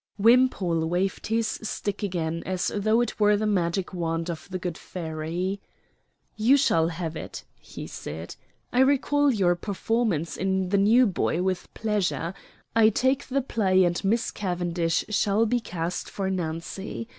Wimpole waved his stick again as though it were the magic wand of the good fairy. "You shall have it," he said. "I recall your performance in 'The New Boy' with pleasure. I take the play, and Miss Cavendish shall be cast for Nancy.